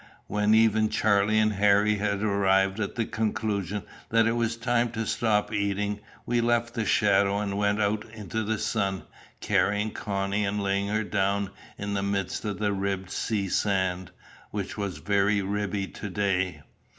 When even Charlie and Harry had arrived at the conclusion that it was time to stop eating, we left the shadow and went out into the sun, carrying Connie and laying her down in the midst of "the ribbed sea sand," which was very ribby to day.